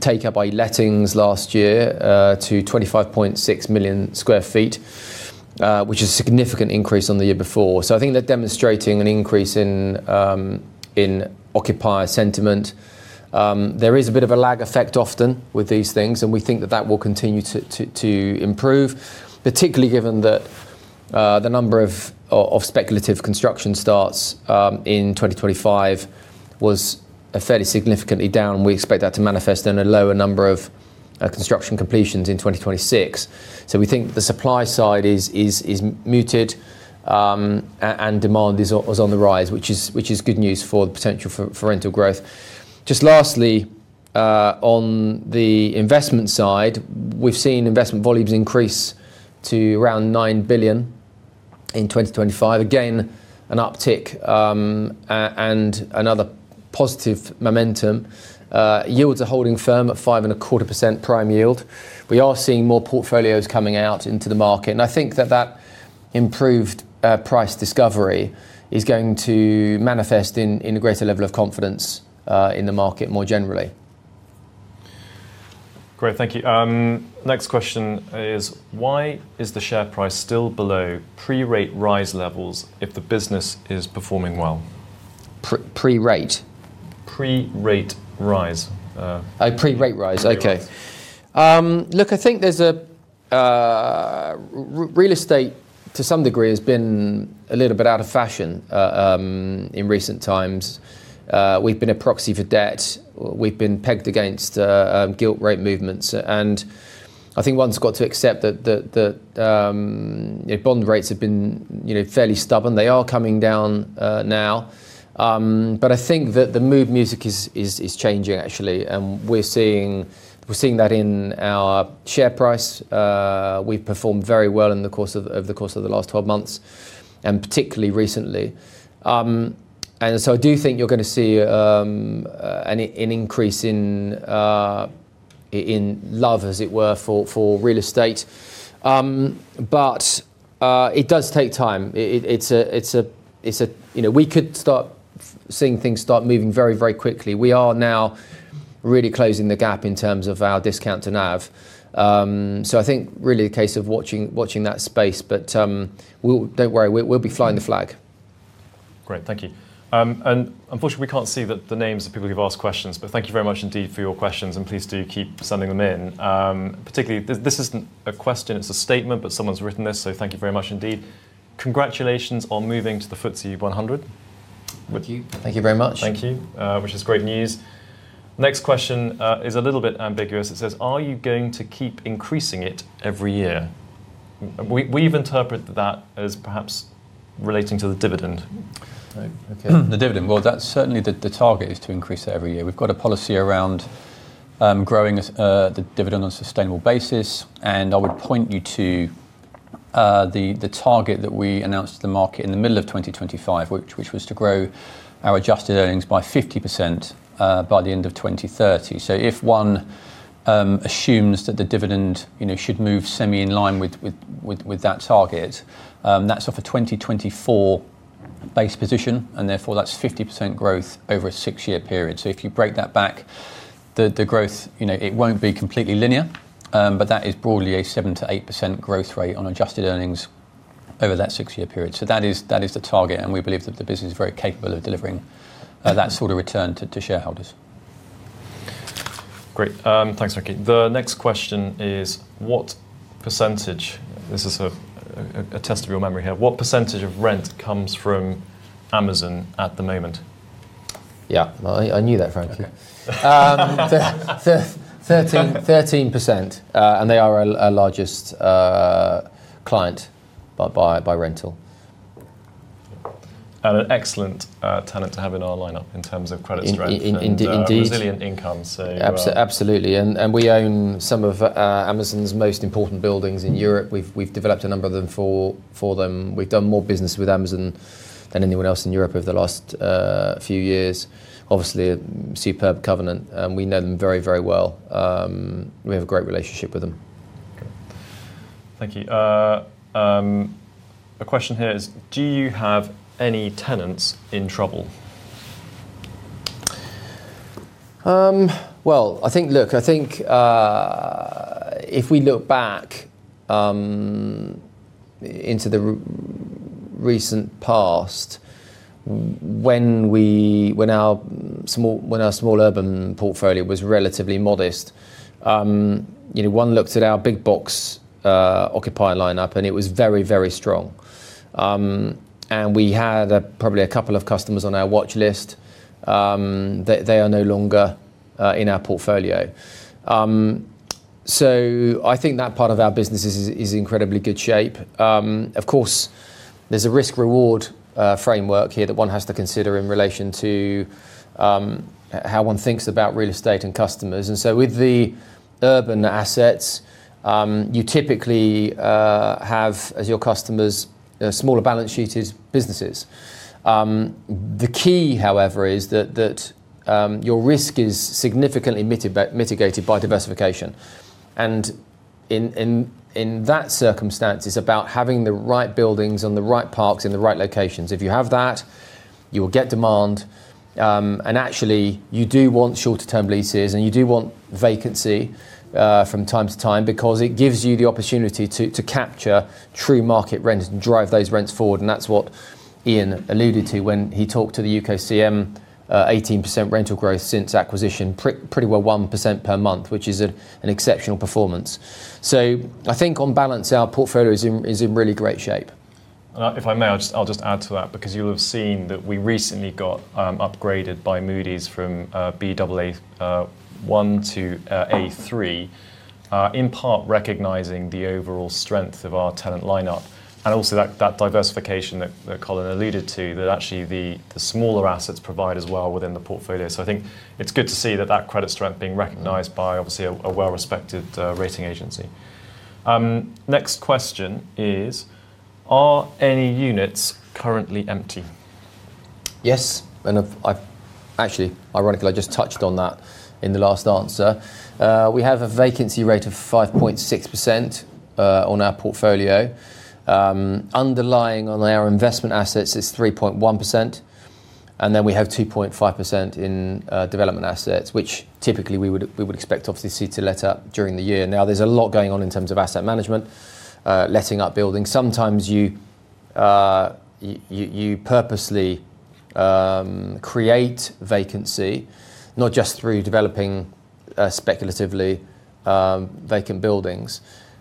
take-up by lettings last year, to 25.6 million sq ft, which is a significant increase on the year before. I think they're demonstrating an increase in occupier sentiment. There is a bit of a lag effect often with these things. We think that that will continue to improve, particularly given that the number of speculative construction starts in 2025 was a fairly significantly down. We expect that to manifest in a lower number of construction completions in 2026. We think the supply side is muted and demand is on the rise, which is good news for the potential for rental growth. Lastly, on the investment side, we've seen investment volumes increase to around 9 billion in 2025. An uptick and another positive momentum. Yields are holding firm at 5.25% prime yield. We are seeing more portfolios coming out into the market. I think that that improved, price discovery is going to manifest in a greater level of confidence, in the market more generally. Great. Thank you. Next question is: Why is the share price still below pre-rate rise levels if the business is performing well? Pre-rate? Pre-rate rise. Oh, pre-rate rise. Look, I think there's a real estate, to some degree, has been a little bit out of fashion in recent times. We've been a proxy for debt. We've been pegged against gilt rate movements, and I think one's got to accept that the, um, bond rates have been, you know, fairly stubborn. They are coming down now. I think that the mood music is changing, actually, and we're seeing that in our share price. We've performed very well over the course of the last 12 months, and particularly recently. I do think you're gonna see an increase in love, as it were, for real estate. It does take time. You know, we could start seeing things start moving very, very quickly. We are now really closing the gap in terms of our discount to nav. I think really a case of watching that space, but don't worry, we'll be flying the flag. Great. Thank you. Unfortunately, we can't see the names of people who've asked questions, but thank you very much indeed for your questions, and please do keep sending them in. Particularly, this isn't a question, it's a statement, but someone's written this, so thank you very much indeed. "Congratulations on moving to the FTSE 100. Thank you. Thank you very much. Thank you, which is great news. Next question is a little bit ambiguous. It says: Are you going to keep increasing it every year? We've interpreted that as perhaps relating to the dividend. Okay, the dividend. That's certainly the target is to increase it every year. We've got a policy around growing the dividend on a sustainable basis, and I would point you to the target that we announced to the market in the middle of 2025, which was to grow our adjusted earnings by 50% by the end of 2030. If one assumes that the dividend, you know, should move semi-in line with that target, that's off a 2024 base position, and therefore, that's 50% growth over a six-year period. If you break that back, the growth, you know, it won't be completely linear, but that is broadly a 7% to 8% growth rate on adjusted earnings over that six-year period. That is the target, and we believe that the business is very capable of delivering, that sort of return to shareholders. Great. Thanks, Frankie. The next question is. This is a test of your memory here. What percent of rent comes from Amazon at the moment? Yeah, I knew that, frankly. 13%. They are our largest client by rental. An excellent, tenant to have in our lineup in terms of credit strength and resilient income. Indeed. Absolutely. We own some of Amazon's most important buildings in Europe. We've developed a number of them for them. We've done more business with Amazon than anyone else in Europe over the last few years. Obviously, a superb covenant, and we know them very, very well. We have a great relationship with them. Okay. Thank you. The question here is: Do you have any tenants in trouble? Well, I think-- Look, I think, if we look back into the recent past, when our small urban portfolio was relatively modest, you know, one looks at our Big Box occupier lineup, and it was very, very strong. We had probably a couple of customers on our watchlist. They are no longer in our portfolio. I think that part of our business is in incredibly good shape. Of course, there's a risk-reward framework here that one has to consider in relation to how one thinks about real estate and customers. With the urban assets, you typically have, as your customers, smaller balance sheet as businesses. The key, however, is that your risk is significantly mitigated by diversification. In that circumstance, it's about having the right buildings and the right parks in the right locations. If you have that, you will get demand, and actually, you do want shorter-term leases, and you do want vacancy from time to time because it gives you the opportunity to capture true market rents and drive those rents forward, and that's what Ian alluded to when he talked to the UKCM, 18% rental growth since acquisition. Pretty well 1% per month, which is an exceptional performance. I think on balance, our portfolio is in really great shape. If I may, I'll just add to that because you'll have seen that we recently got upgraded by Moody's from Baa1 to A3 in part recognizing the overall strength of our tenant lineup and also that diversification that Colin alluded to, that actually the smaller assets provide as well within the portfolio. I think it's good to see that credit strength being recognized by, obviously, a well-respected rating agency. Next question is: Are any units currently empty? Yes, actually, ironically, I just touched on that in the last answer. We have a vacancy rate of 5.6% on our portfolio. Underlying on our investment assets is 3.1%, and then we have 2.5% in development assets, which typically we would expect obviously to let up during the year. Now, there's a lot going on in terms of asset management, letting up buildings. Sometimes you purposely create vacancy, not just through developing speculatively vacant buildings,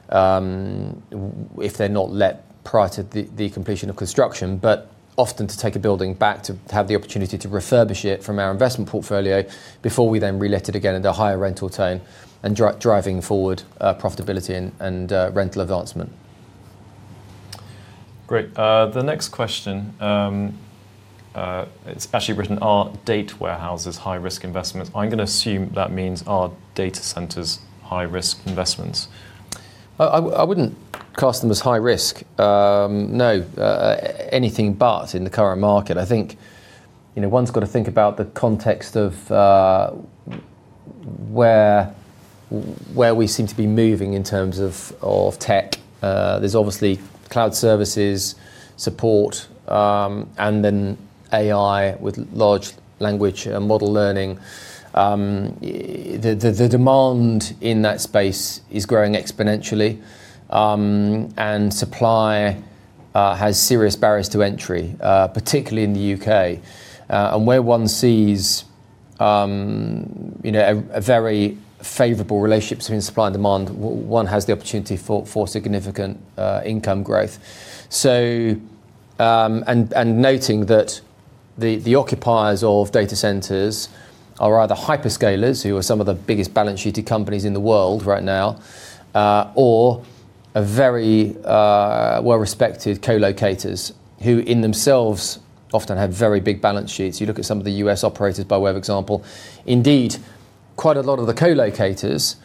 if they're not let prior to the completion of construction, but often to take a building back to have the opportunity to refurbish it from our investment portfolio before we then relet it again at a higher rental tone and driving forward profitability and rental advancement. Great. The next question, it's actually written: Are data warehouses high-risk investments? I'm gonna assume that means are data centers high-risk investments. I wouldn't class them as high risk. No, anything but in the current market. I think, you know, one's got to think about the context of where we seem to be moving in terms of tech. There's obviously cloud services, support, then AI with large language and model learning. The demand in that space is growing exponentially, supply has serious barriers to entry, particularly in the U.K. Where one sees, you know, a very favorable relationship between supply and demand, one has the opportunity for significant income growth. Noting that the occupiers of data centers are either hyperscalers, who are some of the biggest balance sheet companies in the world right now, or a very well-respected co-locators, who in themselves often have very big balance sheets. You look at some of the U.S. operators, by way of example. Indeed, quite a lot of the co-locators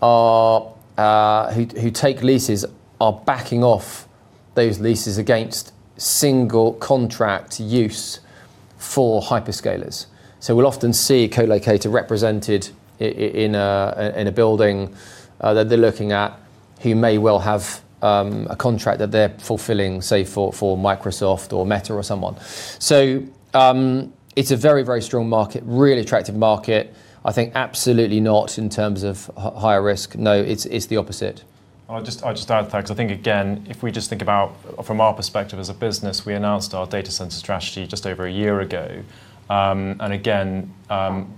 who take leases, are backing off those leases against single contract use for hyperscalers. We'll often see a co-locator represented in a building that they're looking at, who may well have a contract that they're fulfilling, say, for Microsoft or Meta or someone. It's a very, very strong market, really attractive market. I think absolutely not in terms of higher risk. No, it's the opposite. I'll just add to that, 'cause I think, again, if we just think about from our perspective as a business, we announced our data center strategy just over one year ago. Again,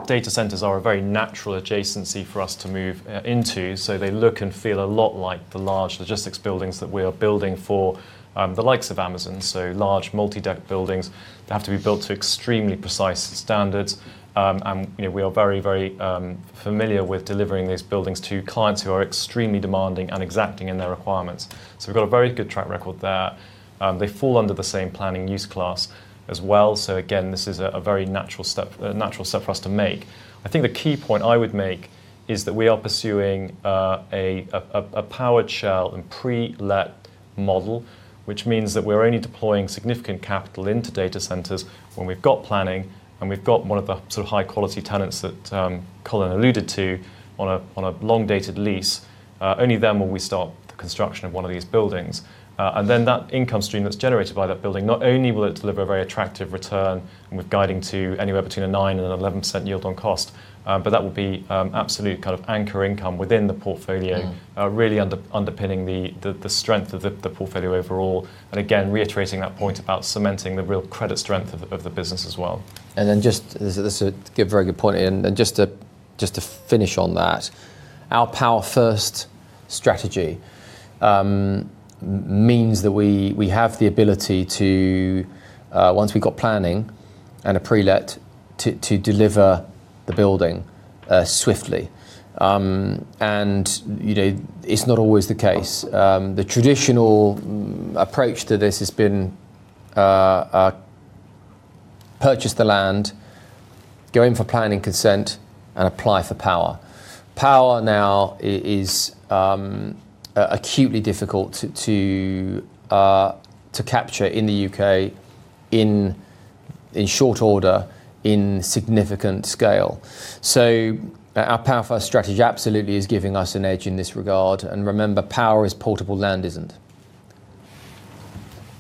data centers are a very natural adjacency for us to move into, they look and feel a lot like the large logistics buildings that we are building for the likes of Amazon. Large, multi-deck buildings that have to be built to extremely precise standards. You know, we are very, very familiar with delivering these buildings to clients who are extremely demanding and exacting in their requirements. We've got a very good track record there. They fall under the same planning use class as well, again, this is a very natural step for us to make. I think the key point I would make is that we are pursuing, a powered shell and pre-let model, which means that we're only deploying significant capital into data centers when we've got planning, and we've got one of the sort of high-quality tenants that, Colin alluded to on a, on a long-dated lease. Only then will we start the construction of one of these buildings. That income stream that's generated by that building, not only will it deliver a very attractive return, and we're guiding to anywhere between a 9% and an 11% yield on cost, that would be absolute kind of anchor income within the portfolio really underpinning the strength of the portfolio overall, and again, reiterating that point about cementing the real credit strength of the business as well. Just, this is a very good point, and just to finish on that, our power-first strategy means that we have the ability to once we've got planning and a pre-let, to deliver the building swiftly. And, you know, it's not always the case. The traditional approach to this has been a purchase the land, go in for planning consent and apply for power. Power now is acutely difficult to capture in the U.K. in short order, in significant scale. Our power-first strategy absolutely is giving us an edge in this regard, and remember, power is portable, land isn't.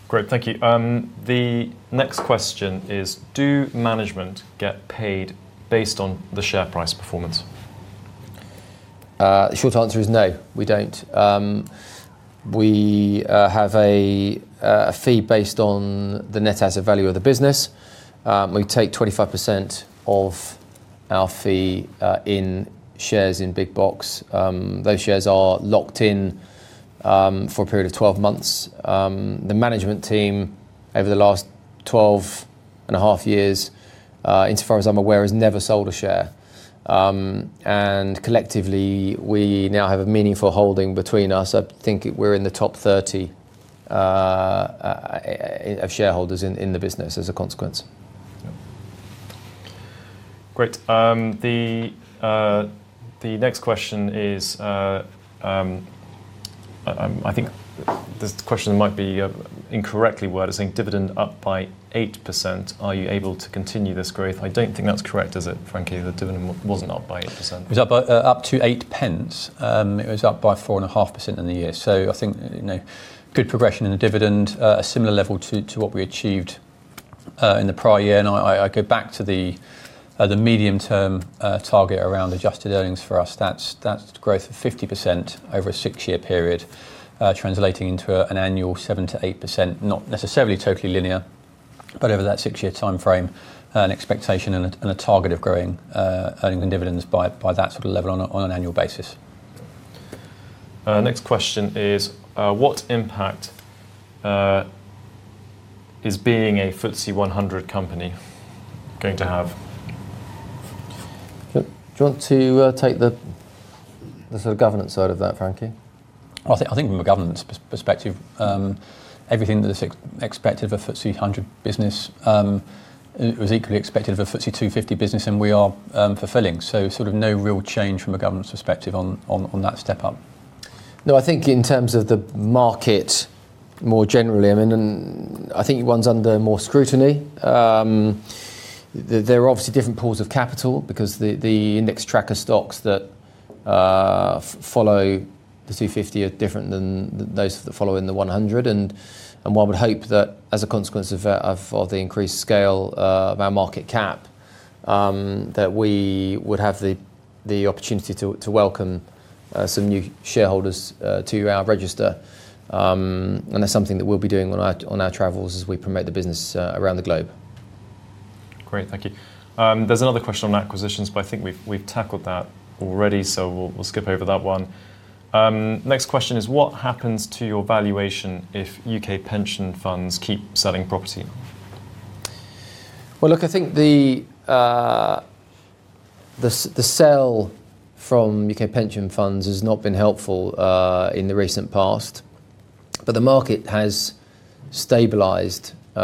Great, thank you. The next question is: Do management get paid based on the share price performance? The short answer is no, we don't. We have a fee based on the net asset value of the business. We take 25% of our fee in shares in Big Box. Those shares are locked in for a period of 12 months. The management team, over the last 12.5 years, insofar as I'm aware, has never sold a share. Collectively, we now have a meaningful holding between us. I think we're in the top 30 of shareholders in the business as a consequence. Great. The next question is I think this question might be incorrectly worded, saying, "Dividend up by 8%. Are you able to continue this growth?" I don't think that's correct, is it, Frankie? The dividend was not up by 0.08. It was up by up to 0.08. It was up by 4.5% in the year. I think, you know, good progression in the dividend, a similar level to what we achieved in the prior year. I go back to the medium-term target around adjusted earnings for us. That's growth of 50% over a six-year period, translating into an annual 7%-8%, not necessarily totally linear, but over that six-year timeframe, an expectation and a target of growing earnings and dividends by that sort of level on an annual basis. Next question is: What impact is being a FTSE 100 company going to have? Do you want to take the sort of governance side of that, Frankie? I think from a governance perspective, everything that is expected of a FTSE 100 business is equally expected of a FTSE 250 business, and we are fulfilling, so sort of no real change from a governance perspective on that step up. No, I think in terms of the market more generally, I mean, I think one's under more scrutiny. There are obviously different pools of capital because the index tracker stocks that follow the FTSE 250 are different than those following the FTSE 100, one would hope that as a consequence of the increased scale of our market cap, that we would have the opportunity to welcome some new shareholders to our register. That's something that we'll be doing on our travels as we promote the business around the globe. Great, thank you. There's another question on acquisitions. I think we've tackled that already. We'll skip over that one. Next question is: What happens to your valuation if U.K. pension funds keep selling property? Well, look, I think the sell from U.K. pension funds has not been helpful in the recent past, but the market has stabilized at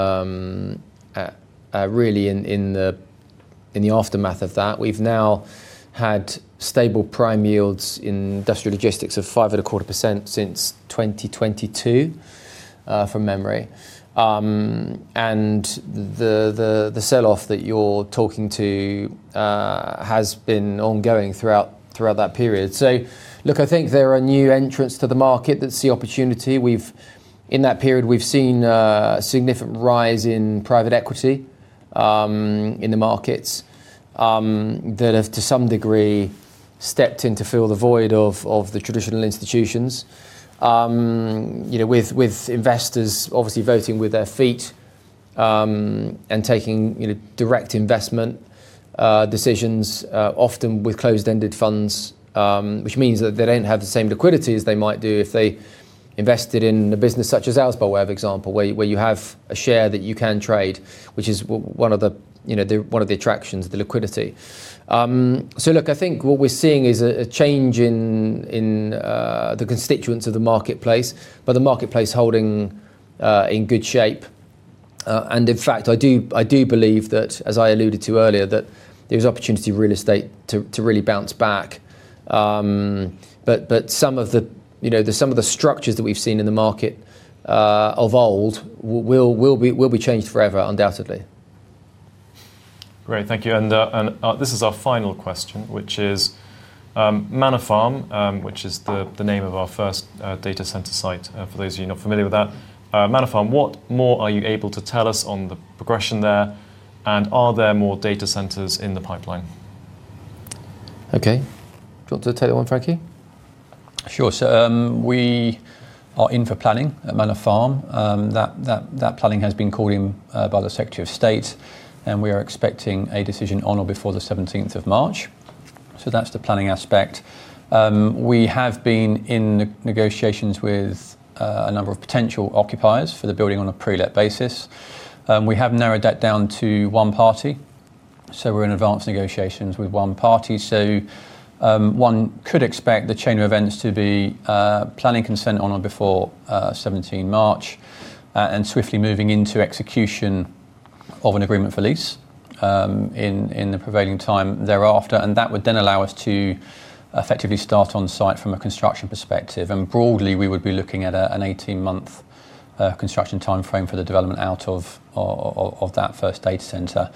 really in the aftermath of that. We've now had stable prime yields in industrial logistics of 5.25% since 2022 from memory. The sell-off that you're talking to has been ongoing throughout that period. Look, I think there are new entrants to the market that see opportunity. In that period, we've seen a significant rise in private equity in the markets that have, to some degree, stepped in to fill the void of the traditional institutions. You know, with investors obviously voting with their feet, and taking, you know, direct investment decisions, often with closed-ended funds, which means that they don't have the same liquidity as they might do if they invested in a business such as ours, by way of example, where you have a share that you can trade, which is one of the attractions, the liquidity. Look, I think what we're seeing is a change in the constituents of the marketplace, but the marketplace holding in good shape. In fact, I do believe that, as I alluded to earlier, that there's opportunity for real estate to really bounce back. Some of the, you know, some of the structures that we've seen in the market, of old will be changed forever, undoubtedly. Great. Thank you. This is our final question, which is Manor Farm, which is the name of our first data center site for those of you not familiar with that. Manor Farm, what more are you able to tell us on the progression there, and are there more data centers in the pipeline? Okay. Do you want to take that one, Frankie? Sure. We are in for planning at Manor Farm. That planning has been called in by the Secretary of State, and we are expecting a decision on or before the seventeenth of March. That's the planning aspect. We have been in negotiations with a number of potential occupiers for the building on a prelet basis. We have narrowed that down to one party, so we're in advanced negotiations with one party. One could expect the chain of events to be planning consent on or before 17 March, and swiftly moving into execution of an agreement for lease in the prevailing time thereafter. That would then allow us to effectively start on site from a construction perspective. Broadly, we would be looking at an 18-month construction timeframe for the development out of that first data center,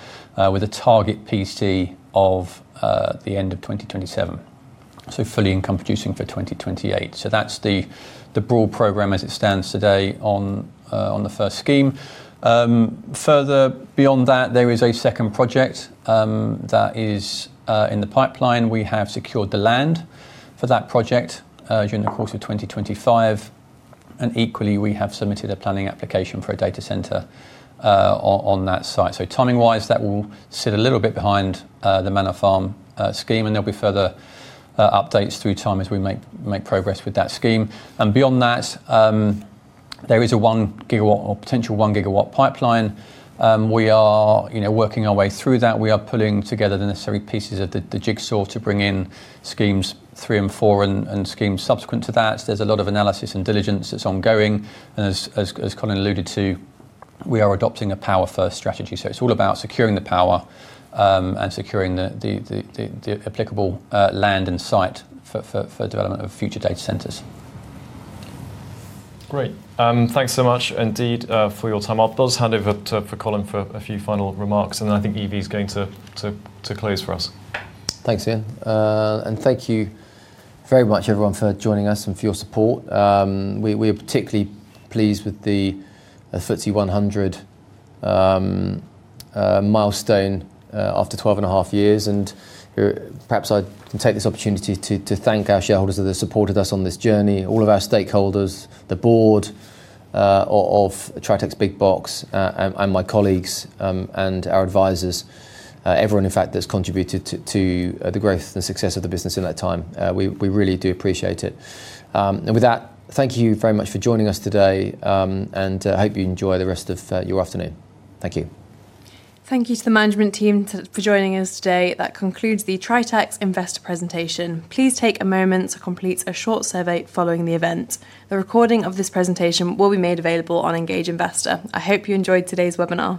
with a target PC of the end of 2027. Fully income producing for 2028. That's the broad program as it stands today on the first scheme. Further beyond that, there is a second project that is in the pipeline. We have secured the land for that project during the course of 2025, and equally, we have submitted a planning application for a data center on that site. Timing-wise, that will sit a little bit behind the Manor Farm scheme, and there'll be further updates through time as we make progress with that scheme. Beyond that, there is a 1 GW or potential 1 GW pipeline. We are, you know, working our way through that. We are pulling together the necessary pieces of the jigsaw to bring in schemes three and four and schemes subsequent to that. There's a lot of analysis and diligence that's ongoing, and as Colin alluded to, we are adopting a power-first strategy, so it's all about securing the power, and securing the applicable land and site for development of future data centers. Great. Thanks so much indeed, for your time. I'll just hand over for Colin for a few final remarks. Then I think Evie is going to close for us. Thanks, Ian. Thank you very much, everyone, for joining us and for your support. We are particularly pleased with the FTSE 100 milestone after 12 and a half years, and perhaps I can take this opportunity to thank our shareholders that have supported us on this journey, all of our stakeholders, the board of Tritax Big Box and my colleagues and our advisors, everyone, in fact, that's contributed to the growth and success of the business in that time. We really do appreciate it. With that, thank you very much for joining us today, and hope you enjoy the rest of your afternoon. Thank you. Thank you to the management team for joining us today. That concludes the Tritax Investor Presentation. Please take a moment to complete a short survey following the event. The recording of this presentation will be made available on Engage Investor. I hope you enjoyed today's webinar.